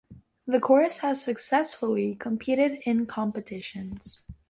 The chorus has successfully competed in competitions.